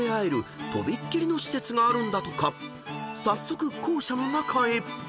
［早速校舎の中へ］